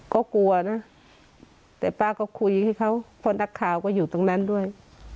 ก็กลัวนะแต่ป้าก็คุยให้เขาเพราะนักข่าวก็อยู่ตรงนั้นด้วย